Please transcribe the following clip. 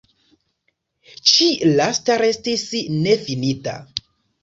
Ĉi lasta restis nefinita.